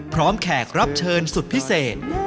แขกรับเชิญสุดพิเศษ